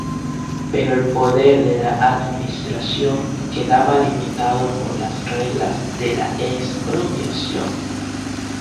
Pero el poder de la administración quedaba limitado por las reglas de la expropiación.